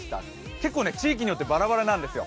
結構地域によってバラバラなんですよ。